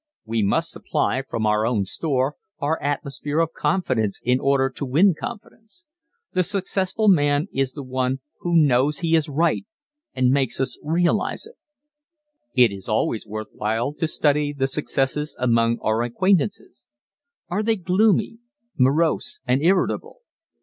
We must supply from our own store our atmosphere of confidence in order to win confidence. The successful man is the one who knows he is right and makes us realize it. It is always worth while to study the successes among our acquaintances. Are they gloomy, morose and irritable?